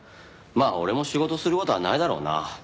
まあ俺も仕事する事はないだろうな。